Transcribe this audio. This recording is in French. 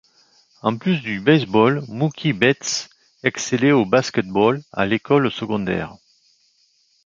En plus du baseball, Mookie Betts excellait au basket-ball à l'école secondaire.